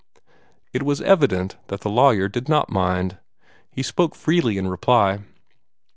It was evident that the lawyer did not mind. He spoke freely in reply.